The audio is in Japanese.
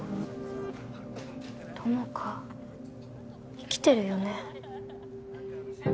友果生きてるよね？